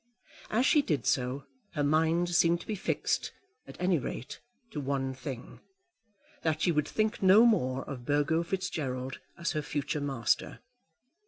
As she did so, her mind seemed to be fixed, at any rate, to one thing, that she would think no more of Burgo Fitzgerald as her future master.